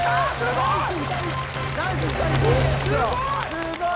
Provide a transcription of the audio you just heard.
すごい。